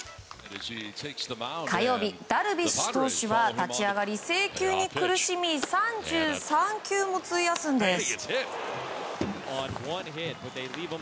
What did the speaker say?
火曜日、ダルビッシュ投手は制球に苦しみ３３球も費やすんです。